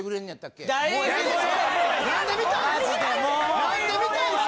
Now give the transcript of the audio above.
・何で見たいんですか？